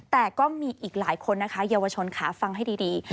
แต่ก็มีอีกหลายคนนะคะเยาวชนค่ะฟังให้ดี